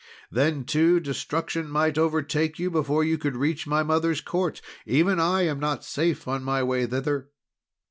Then too, destruction might overtake you before you could reach my mother's Court. Even I am not safe on my way thither.